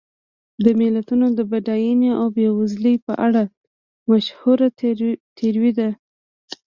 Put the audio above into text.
د ملتونو د بډاینې او بېوزلۍ په اړه مشهوره تیوري ده.